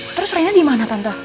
terus reina dimana tante